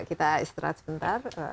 kita istirahat sebentar